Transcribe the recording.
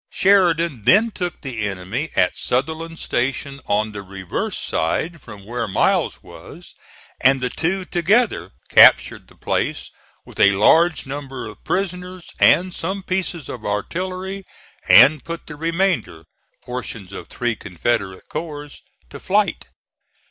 Sheridan then took the enemy at Sutherland Station on the reverse side from where Miles was, and the two together captured the place, with a large number of prisoners and some pieces of artillery, and put the remainder, portions of three Confederate corps, to flight.